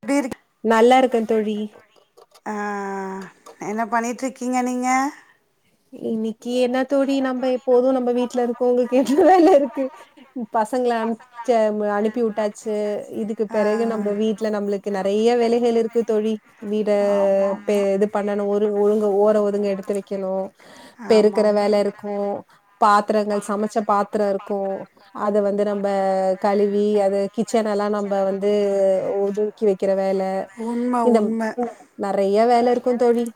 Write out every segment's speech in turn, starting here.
எப்டி இருக்கு நல்லா இருக்கேன் தோழி ஆ என்ன பண்ணிட்டு இருக்கீங்க நீங்க இனிக் என்ன தோழி நம்ப எப்போது நம்ப வீட்டுல இருக்கோ உங்களுக்கு என்ன வேல இருக்கு பசங்கள அனுப்சு அனுப்பிவிட்டாச்சு இதுக்கு பெறகு நம்ப வீட்டுல நம்ளுக்கு நறைய வேலைகள் இருக்கு தோழி வீட ஆமா பெ ஆமா இது பண்ணணு ஒரு ஒழுங்கு ஓர இங்க எடுத்து வக்கணு ஆமா பெருக்கற ஆமா வேல இருக்கூ பாத்ரங்க சமச்ச பாத்தர இருக்கூ அத வந்து நம் அ கழுவி அத கிச்சனெல்லா நம்ப வந்து ஒதூக்கி வக்கிற வேல உண்ம இந்த உண்ம நறைய வேல இருக்கு தோழி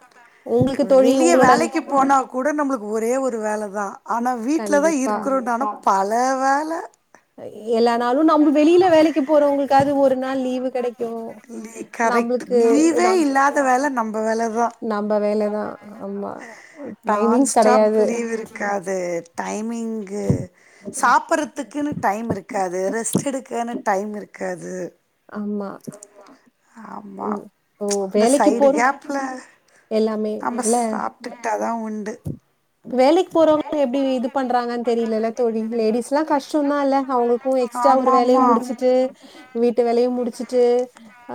உங்களுக்கு தோழி உங்களுட னா கூட நம்ளுக்கு ஒரே ஒரு வேல தா ஆனா வீட்ல தா கண்டிப்பா. இருக்குறோனாதா பல வேல எல்லா நாளு நம் வெளியில வேலைக்கி போறோங்களு காது ஒரு நாள் லீவு கெடைக் கு லீ கரெக்ட் நம்ளுக்கு லீவே நம் இல்லாத வேல நம்ம வேல தா நம்ப வேலதா ஆமா நான் டைமிங்ஸ் ஸ்டாப் கெடையாது. லீவ் இருக்காது டைமிங்கு ஆமா ஆமா இந்த தமே சைடு கேப்ல நம்ம இல்ல சாப்ட்டுக்கிட்டா தா உண்டு வேலைக் போறவங்லா எப்டி இது பண்றாங்கன் தெரிலல தோழி லேடிஸ் லா கஷ்டம்தால அவங்கள்கூ எக்ஸ்ட்ரா ஒரு வேலையு ஆமாமா முடிச்சுட்டு வீட்டு வேலையு முடிச்சுட்டு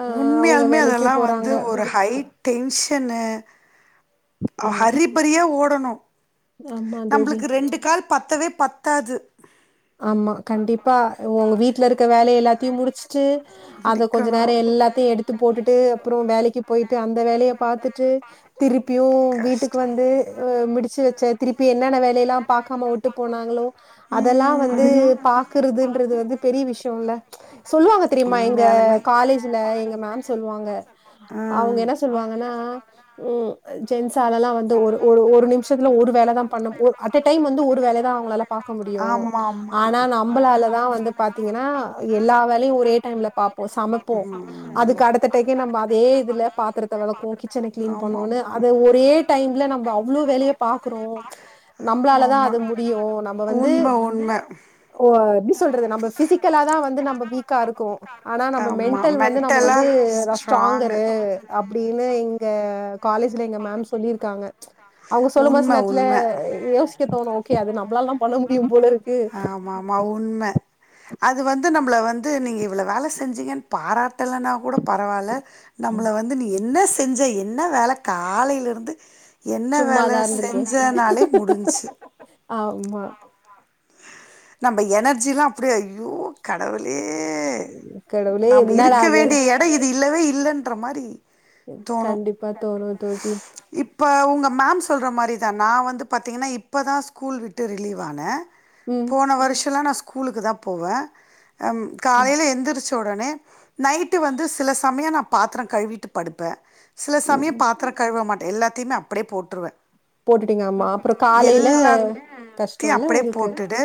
அ அவங்க உண்மையாலுமே வேலைக்கு அதெல்லா போறாங்க வந்து ஒரு ஹை டென்ஷனு ஆமா. ஹரிபரியா ஓ டனு ஆமா தோழி. நம்ளுக்கு ரெண்டு கால் பத்தவே பத்தாது ஆமா கண்டிப்பா உங்க வீட்டுல இருக்க வேல எல்லாத் தி முடிச் ச்சு அத கொஞ்சோ முடிக்கணு நேர எல்லாத்தையு எடுத்து போட்டுட்டு அப்ரோ வேலைக்கு போயிட்டு அந்த அந்த வேலையை பார்த்துட்டு திருப்பி ப்பியு கஷ் வீட்டுக்கு வந்து அஹ் முடிச்சு வச்சாச் திருப்பி என்னென்ன வேலை எல்லா பாக்காம விட்டு போனாங்களோ அதெல்லா வந் வந்து ம் பாக்குறதுன்றது வந்து பெரிய விஷயோ இல்ல சொல்லுவாங்க தெரியுமா எங்க உண்மையாலுமே காலேஜ்ல எங்க மேம் சொல்லுவாங்க அவுங்க என்ன சொல்லுவாங்கன்னா உம் அஹ் ஜென்ஸ் ஆளெல்லா வந்து ஒரு ஒரு ஒரு நிமிஷத்துல ஒரு வேல தா பண்ணும் ஒரு அட்ட டைம்ல வந்து ஒரு வேல தா அவங்களால பாக்க ஆ முடியும் ஆமாமா ஆனா நம்மளால தா வந்து பாத்தீங்கன்னா எல்லா வேலையு ஒரே டைம்ல சமைப்போம் அதுக்கு அடுத்த டேக்கே நம்ம அதே இதுல பாத்திரத் த்த வெளக்குவோ கிச் ச்சன கிளீன் ஆமா பண்ணுவோனு ஆமா அத ஒரே டைம்ல நம்ம அவ்வளோ வேலைய பாக்குறோம் ஆமா நம்மளாலதா ஆமா அது முடியு நம்ம வந்து உண்ம உண்ம ஓ எப்டி சொல்றது நம்ம பிசிக்கலா தா வந்து நம்ம வீக்கா இருக்கோ ஆனா நம்ம ஆமா மென்டல் வந்து நம்ம மென்டலா வந்து ஸ்ட்ராங்கு ஸ்ட்ராங்கரு அப்படின்னு எங்க காலேஜ்ல எங்க மேம் சொல்லியிருக்காங்க அவுங்க சொல்லும் போது சில உண்ம நேத்துல உண்ம யோசிக்க தோணும் ஓகே அது நம்மளாலல்லா பண்ண முடியு போல இருக் ஆமா ஆமா உண்ம அது வந்து நம்மள வந்து நீங்க இவ்வளோ வேல செஞ்சிங்கன்னு பாராட்டலன்னா கூட பரவால்ல நம்மள வந்து நீ என்ன செஞ்ச என்ன வேல காலயில இருந்து என்ன சும்மா வேல தான் இருந்திருக்கேன். செஞ்சனாலே முடிஞ்சு ஆமா. நம்ம எனர்ஜி எல்லா அப்படியே ஐயோ கடவு கடவுளே என்னடா இருக்க இது வேண்டிய எடோ இது இல்லவே இல்லன்ற மாரி தோணு கண்டிப்பா தோணும் தோழி. இப்ப உங்க மேம் சொல்ற மாரி தான் நா வந்து பாத்தீங்கன்னா இப்போ தா ஸ்கூல் விட்டு ரிலீவ் ஆனே ம். போன வருஷம்லா நா ஸ்கூ கூலுக்கு தா போவே ஹம் ம். காலையில எந்திருச்சு உடனே நைட்டு வந்து சில சமயம் நா பாத்திர கழுவிட்டு படுப்பே சில ம். சமயம் ம். பாத்திர கழுவ மாட் எல்லத்தையுமே அப்படியே போட்ருவே போட்டுட்டீங்க ஆமா அப்புறொ காலையில எல்லாத்தையு கஷ்டொல்ல அப்படியே உங்களுக்கு போட்டுட்டு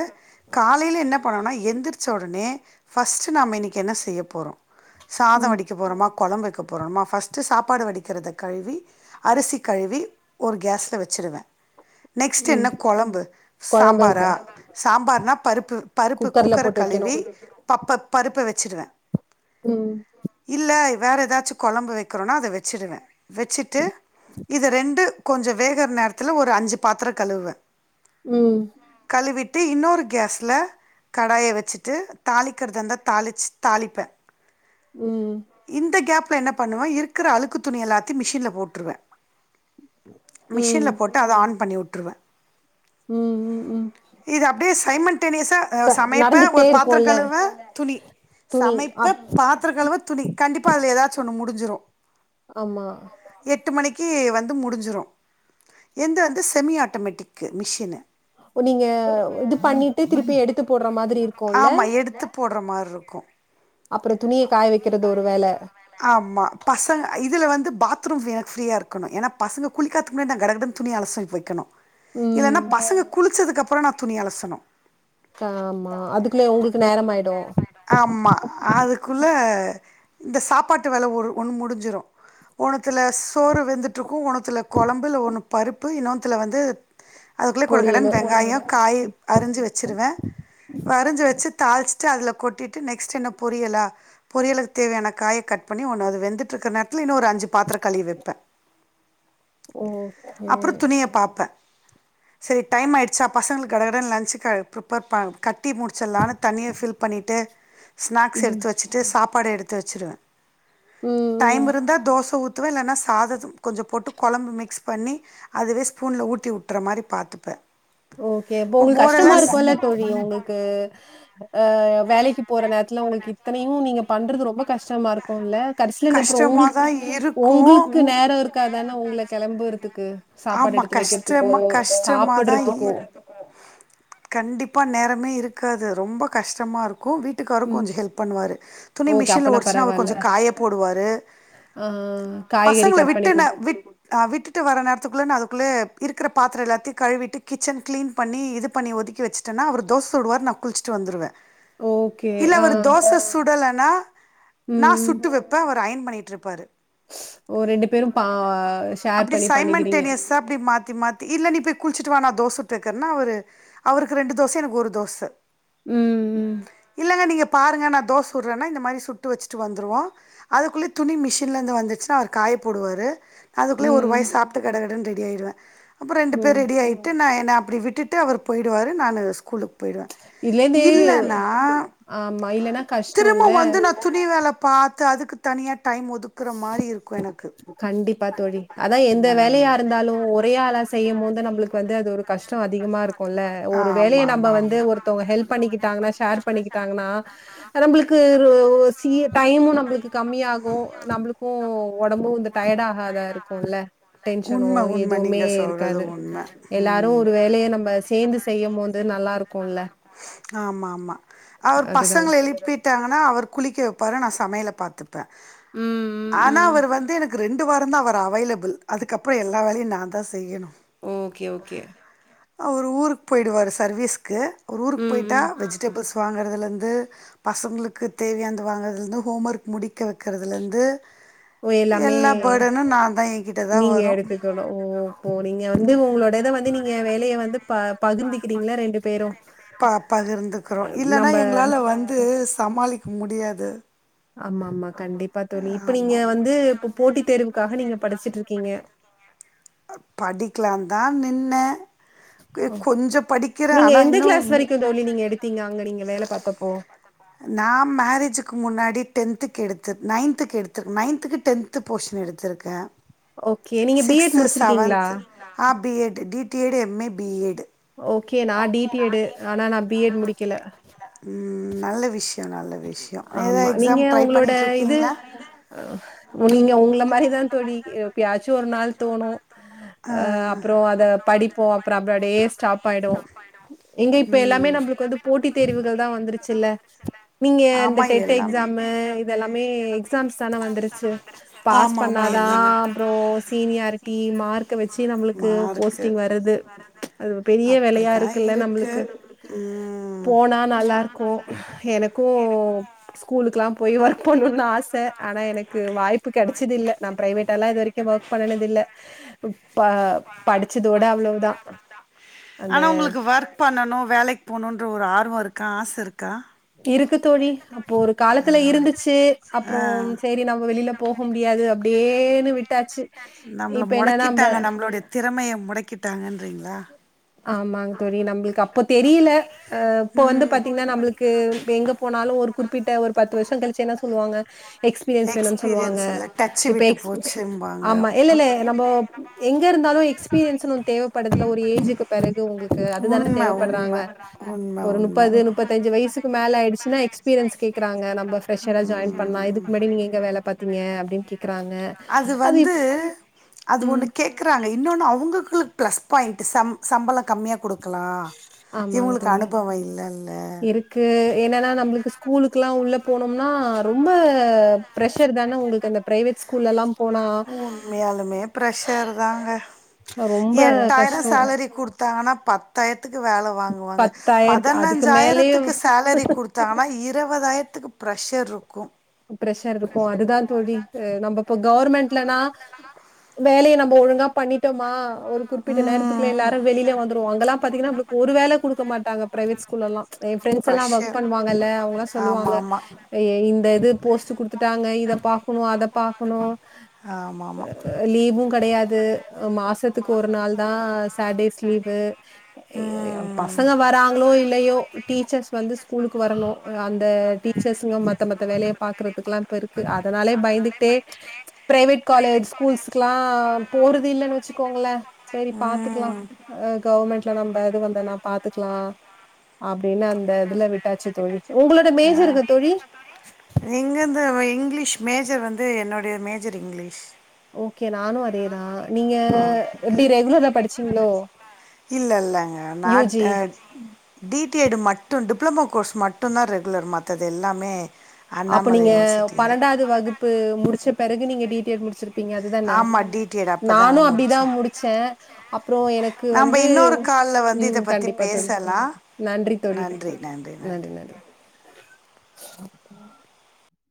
காலையில என்ன பண்ணுவெனா எந்திரிச்ச ஒடனே ஃபஸ்ட் நாம இன்னைக்கு என்ன செய்ய போறோ சாத ம். வடிக்க போறோமா கொழம்பு வைக்க போறோமா ஃபஸ்ட்டு சாப்பாடு வடிக்கிறத கழுவி அரிசி கழுவி ஒரு கேஸ்ல வச்சுடுவே நெக்ஸ்ட் ம். என்ன கொழம்பு குழம்பு கு சாம்பாரா சாம்பார்னாப் பருப்பு பருப்பு குக்கர்ல குக்கர போட்டு கழுவி வைக்கணும். பப்ப பருப்ப வெச்சுடுவே உம் இல்ல வேற ஏதாச்சு கொழம்பு வைக்கிறோனா அத வெச்சுடுவே வெச்சுட்டு இத ரெண்டு கொஞ்சோ வேகுற நேரத்துல ஒரு அஞ்சு பாத்திரோ கழுவுவே உம் கழுவிட் ட்டு இன்னொரு கேஸ்ல கடாய வச்சுட்டு தாளிக்கிறதாந்தா தாளிச்சு தாளிப்பே ம். இந்த கேப் ப்ப என்ன பண்ணுவே இருக்குற அழுக்கு துணி எல்லாத்தியு மிஷின்ல போட்ருவே ம். மிஷின்ல போட்டு அத ஆன் பண்ணி உட் றுவே உம் உம் உம் இது அப்டியே சைமண் டுனியஸ்ஸா அ சமைப்ப நடந்துகிட்டே ஒரு பாத்திர இருக்கும்ல கழுவுவ துணி துணி. சமைப்ப அப் பாத்திர கழுவுவத் துணி கண்டிப்பா அதுல ஏதாச்சு ஒன்னு முடிஞ்சிடு அமா எட்டு மணிக்கு வந்து முடிஞ்சிடு எந்து வந்து செமி ஆட்டோமேட்டிக் மிஷின்னு நீங்க இது பண்ணிட்டு திருப்பி எடுத்து போடுற மாதிரி இருக்குல்ல ஆமாம் எடுத்து போடுற மாதிரி இருக்கும் அப்புறோ துணிய காய வைக்குறது ஒரு வேல ஆமா பசங்க இதுல வந்து பாத்ரூம் ஃப் எனக்கு ஃப்ரீயா இருக்கணு ஏன்னா பசங்க குளிக்காத்துக்கு முன்னா நா கடகடன்னு துணி அலசல்கு வைக்கணு ம். இல்லன்னா பசங்க குளிச்சதுக்கு அப் புறோ நா துணிய அலசனு ஆமா அதுக்குள்ளே உங்களுக்கு நேரம் ஆயிடு குள்ளே இந்த சாப்பாட்டு வேல ஒரு ஒன்னு முடிஞ்சிரு ஒன்னத்துல சோறு வெந்துட்ருக்கு ஒன்னத்துல கொழம்பு இல்ல ஒன்னு பருப்பு இன்னோனுதுல வந்து அதுக்குள்ளே பொரியலு. கொடகடன்னு வெங்காய காயி அரிஞ்சி வச்சிருவே அரிஞ்சி வெச்சு தாள்ச்ட்டு அதுல கொட்டிட்டு நெக்ஸ்ட் என்ன பொரியலா பொரியலுக்கு தேவையான காய கட் பண்ணி ஒன்னு அது வெந்துட்டு இருக்கிற நேரத்துல இன்னு ஒரு அஞ்சு பாத்திரோ கழுவி வைப்பே ஓகே. அப்புற துணிய பாப்பே செரி டைம் ஆயிடுச்சா பசங்களுக் கடகடன்னு லன்சுக்க ஃப்ரிப்பேர் ப கட்டி முடிச்சலானு தண்ணிய ஃபில் பண்ணீட்டு ஸ்நாக்ஸ் ம். எடுத் வச்சுட்டு சாப்பாடு எடுத்து வச்சுடுவே ம், டைம் ம். இருந்தா தோச ஊத் துவே இல்லேன்னா சாதத்த கொஞ்சோ போட்டு கொழம்பு மிக்ஸ் பண்ணி அதுவே ஸ்பூன்ல ஊட்டி விட்டுற மாரி பாத்துப்பே ஓக்கே இப்போ உங்களுக்கு கஷ்டமா இருக்கு இல்ல தோழி உங்களுக்கு ஆ வேலைக்கு போற நேரத்துல உங்களுக்கு இத்தனையு நீங்க பண்றது ரொம்ப கஷ்டமா இருக்குல்ல கடசில இந்த அப்புற கஷ்டமாக உங்களுக் தான் உங்களுக்கு இருக்கும் நேர இருக்காது தானே உங்கள கெளம்புற்துக்கு ஆமா கஷ்டமா கஷ்டமாதா இ சாப்பிடுறதுக்கோ. கண்டிப்பா நேரமே இருக் இருக்காது ரொம்ப கஷ்டமா இருக் கு வீட்டுக்காரு ம். கொஞ்சு ஹெல்ப் பண்ணுவாரு துணி ஓகே. மிஷின்ல அப்பனா ஓடுச்சுனா அவரு பரவால்ல. கொஞ்ச காய போடுவாரு ஆ காய்கறி பசங்கள கட் பண்ணி விட்டு ந குடுத் விட் அ விட்டுட்டு வர நேரத் நா அதுக்குள்ளேயே இருக்குற பாத்தர எல்லாத்தையு கழுவிட்டு கிச்சன் கிளீன் பண்ணி இது பண்ணி ஒதுக்கி வச்சுட்டேன்னா அவரு தோஸ்சுடுவார் நா குளிச்சுட்டு வந்துருவே ஓகே. இல்ல ஆ. அவரு தோசை சுடலேன்னா நா ம், ம். சுட்டு வப்பே அவரு ஐயன் பண்ணிட்டிருப்பாரு ஓ ரெண்டு பேரு பா ஷேர் பண்ணி பண்ணிகிறீங் டேனியசா அப்டி மாத்தி மாத்தி இல்ல நீ போய் குளிச்சுட்டு வா நா தோசை சுட்டுக்கறன்னா அவரு அவருக்கு ரெண்டு தோசை எனக்கு ஒரு தோச ம், ம், இல்லங்க நீங்க பாருங்க நா தோசை சுடறன்னா இந்த மாரி சுட்டு வச்சிட்டு வந்துருவோ அதுக்குள்ளே துணி மிஷின்லேர்ந்து வந்துச்சுனா அவர் காய போடுவாரு அதுக்குள்ளேயே ஒரு ம். வாய் சாப்ட் கடகடன்னு ரெடி ஆயிருவே அப்போ ரண்டு ஓ! பேர் ரெடி ஆய்ட்டு நா ன அப்படி விட்டுட்டு அவர் போயிடுவாரு நானு ஸ்கூலு போயிடுவ இதுலேருந்து இல்லன்னா ஆமா. இல்லன்னா கஷ்டம் இல்ல? திரும்ப வந்து நா துணி வேலபாத்து அதுக்கு தனியா டைம் ஒதுக்குற மாரி இருக்கு எனக்கு கண்டிப்பா தோழி அதா எ எந்த வேலையா ம் இருந்தாலு ஒரே ஆளா செய்யும் போது து நம்மளுக்கு வந்து அது ஒரு கஷ் டோ அதிகமாருக்கூல்ல ஒரு வேலைய நம்ம வந்து ஒருத்தங்க ஹெல்ப் பண்ணிக்கிட்டாங்கன்னா ஷேர் பண்ணிக்கிட்டாங்கன்னா நம்மளுக்கு ஒ ஒரு சி டைமு நம்ளு துக்கு கம்மியாகூ நம்மளுக்கு ஒடம்பு வந் உண்ம உண்ம எதுவுமே நீங்க சொல்றது இருக்காது. உண்ம எல்லாரும் ம் ஒரு வேலைய நம்ம சேர்ந்து செய்யும்போது நல்லா இருக்கும்ல. ஆமா ஆமா அவரு அதுதான். பசங்க எழுப்பிட்டாங்கன்னா அவரு குளிக்க வெப்பாரு நா சமையலப் பாத்துப் பே ம், ம், ஆனா ம். அவர் வந்து எனக் க் ரெண் டு வாரோ தா அவர் அவைலபிள் அதுக்கப்றோ எல்லா வேலையூ நா தா செய்யணூ ஓகே ஓகே அவரு ஊருக்கு போயிவிடுவாரு சர்வீஸ்க்கு அவரு ஊருக்கு ம், போய்ட்டா ம். வெஜிடேபிள்ஸ் வாங்கறதுலேந்து பசங்களுக்கு தேவையான்ந்து வாங்கதுலருந்து ஹோமர்க் முடிக்க வெக்கிறதுலேந்து ஓ எல்லாமே கே என்கிட்ட தான் நீங்க வரும் எடுத்துக்கணூ ஓ போ நீங்க வந்து உங்களோட இத வந்து நீங்க வேலைய வந்து ப பகிர்ந்துக்கிறீங்களா பேரும்? ப பகிர்ந்துக்றோ இல்லன்னா நம்ப எங்களால வந்து சமாளிக்க முடியாது ஆம்மா ஆம்மா கண்டிப்பா தோழி இப்ப நீங்க ஆமாம் வந்து இப்ப போட்டி தேர்வுக்காக நீங்க படிச்சிட்ருக்கீங்க படிக்கலாந்தா நின்னே கே ஓ! கொஞ்சோ படிக்கிறே நீங்க ஆனால் எந்த இன்னூ கிளாஸ் மு வரைக்கும் தோழி நீங்க எடுத்தீங்க? அங்க நீங்க வேல பாத்தப்போ நா மேரேஜுக் முன்னாடி டென்த்துக்கு எடுத்துத் நைன்த்துக்கு எடுத்த நைன்த்துக்கு டென்த்து போர்ஷன் எடுத்திருக்கே ஓகே நீங்க பி எட் முடிச்சிருக்கீங்ளா B Ed T T Ed M A B Ed okay நா டி டி எட் ஆனா ந பி எட் முடிக்கல ம் நல்ல விஷயம் நல்ல விஷயம் ஏதா ஆமா நீங்க எக்ஸாம் ட்ரை உங்களோட இது பண்ணிகிட்ருக்கீங்களா ஆ நீங்க உங்கள மாரிதா தோழி எ எப்பியாச்சு ஒரு நாள் தோணூ ஆ அப்றோ அத படிப்போ அப்றோ அப்டப்டே ஸ்டாப் ஆயிடூ இங்க இப்ப எல்லாமே ம் நம்மளுக்கு வந்து போட்டி தேர்வுகள் தா வந்துரு சில நீங்க இந்த ஆமா டெட் எல்லாமே எக்ஸாமு இதெல்லாமே எக்ஸாம்ஸ் தானே வந்துருச்சு பாஸ் ஆமா ஆமா பண்ணாதா எல்லாமே அப்றோ சீனியாரிட்டி மார்க் கு வச்சு நம்ளுக்கு மார்க்கு போஸ்டிங் வருது அது பெரிய வேலயா அப்படித்தா இருக்குல்ல இருக்கு நம்முளுக்கு ம் போனா நல்லாருக்கூ எனக் கூ ஸ்கூலுக்லா போய் ஒர்க் பண்ணூன் தா ஆச ஆனா எனக்கு வாய்ப்பு கெடைச்சதில்ல நா பிரைவேட்டால்லா இதுவரைக்கூ வர்க் பண்ணுனதில்ல ப படிச்சதோட அவ்வளவுதான். அந்த ஆனா உங்களுக்கு ஒர்க் பண்ணணூ வேலைக்கு போணுன்ற ஒரு ஆர்வோ இருக்கா ஆஸ் இருக்கா இருக்கு தோழி அப்போ ஒரு காலத்துல ஆ இருந்துச்சு ஆ அப்புறம் சரி நம்ம வெளில போக முடியாது அ யேன்னு விட் நம்மள மொடக்கிட்டாங்க நம்மளோடைய திறமைய மொடக்கிட்டாங்கன்றீங்ளா ஆமாங் தோழி நம்ளுக்கு அப்ப தெரியில அ இப்ப வந்து பாத்தீங்னா நம்ளுக்கு எங்க போனாலு ஒரு குற்பிட்ட ஒரு பத்து வருஷ கழிச்சி என்ன சொல்லுவாங்க எக்ஸ்பீரியன்ஸ் வேணுன் சொல்வாங்க எக்ஸ்பீரியன்ஸ் இல்ல டச்சு இப்ப விட்டு எக்ஸ் போச்சும்பாங்க ஆமா இல்ல இல்ல நம்போ எங்க இருந்தாலு எக்ஸ்பீரியன்ஸ்னு ஒன்னு தேவப்படுதுல ஒரு ஏஜ் பெறகு உங்களுக்கு அதுதான உண்ம உண்ம தேவபடறாங்க உண்ம ஒரு உண்ம முப்பது முப்பத்தஞ்சு வயசுக்கு மேல ஆயிடுச்சுன்னா எக்ஸ்பீரியன்ஸ் கேக்கறாங்க நம்ம ஃப்ரஷரா ஜாயின் பண்ணா இதுக்கு முன்னாடி நீங்க எங்க வேல பாத்தீங்க அப்படின் கேக்குறாங்க அது ம் பிளஸ் பாயிண்ட் சம் சம்பளத் கம்மியா குடு ஆமாங் தோழி இல்லல்ல இருக்கு என்னன்னா நம்ளுக்கு ஸ்கூலுக்குல்லா உள்ள போனோம்னா ரொம்ப பிரஷர் தான உங்ளுக்கு அந்த பிரைவேட் ஸ்கூல்லல்லாம் உண்மையாலுமே ப்ரஷர் தாங்க ரொம்ப எட்டாயிரொ கஷ்டம். சேலரி குடு தான பத்தாயிரத் க்கு வேல வாங்குவாங்க அதுக்கு மேலயே பதினஞ்சாயிரத்துக்கு சேலரி குடுத்தா இத் இருவதாயிரத்துக்கு ப்ரஷர் இருக்கு ப்ரஷர் இருக்கு அதுதா தோழி அ நம்ப ப கவர்மெண்ட்லனா வேலய நம்ப ஒழுங்கா பண்ணிட்டமா ஒரு குற்பிட்ட நேரத்துக்குள்ள ம் எல்லாரும் வெளில வந்துருவோ அங்கல்லாம் பாத்தீங்கன்னா ஒரு வேல குடுக்க மாட் அங்க பிரைவேட் ஸ்கூலல்லா எ ஃப்ரெண்ட்ஸ் எல்லா ஒர்க் ப்ரெஷர் பண்ணுவாங்கல்ல அவுங்கலா ஆமா சொல்லுவாங்க ஆமா இந்த இது போஸ்ட் குடுத்துட்டாங்க இத பாக்கணு அத பாக்கணு ஆமா ஆமா லீவு கெடையாது மாஸ் த்துக்கு ஒரு நாள் தா சாட்டேஸ் லீவு ம் பசங்க வராங்களோ இல்லையோ டீச்சர்ஸ் வந்து ஸ்கூலுக்கு வரணு அந்த டீச்சர்ஸ்ங்க மத்த மத்த வேலைய பாக்குறதுக்குல்லா இப்ப இருக்கு அதனாலே பயந்துட்டே பிரைவேட் காலேஜ் ஸ்கூல்ஸ்க்லா போறது இல்லன்னு வச்சுக்கோங்கள சரி பாத்துக்லா ம் கவர்மெண்ட் நம்ப இது வந்தனா பாத்துக்லா அப்படின்னு அந்த இதுல விட்டாச்சு தோழி உங்களோட மேஜரெது தோழி இங்கந்த இங்கிலீஷ் மேஜர் வந்து என்னுடைய மேஜர் இங்கிலீஷ் ஓகே நானு அதேதா இல்ல இல்லங்க நா யூஜி. அ டி டி ஐடு மட்டு டிப் டிப்ளமோ கோர்ஸ் மட்டு தா ரெகுலர் மத்தது எல்லாமே அப்ப அண்ணாமலை நீங்க யுனிவர்சிட்டி தான். பன்னெண்டாவது வகுப்பு முடிச்ச பிறகு நீங்க டீ டி எல் முடிச் ப்பீங்க அதுதானே ஆமா டிடிஎட் அப்பதாங்க நானும் அப்படிதான் முடிச்சேன் அப்புறம் எனக்கு நம்ப வந்து இன்னொரு கால்ல வந்து இத உம் பத்தி கண்டிப்பா தோழி பேசலாம். நன்றி தோழி நன்றி நன்றி [unintelligible]